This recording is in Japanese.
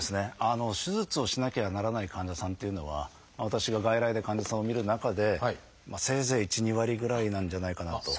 手術をしなきゃならない患者さんっていうのは私が外来で患者さんを診る中でせいぜい１２割ぐらいなんじゃないかなと。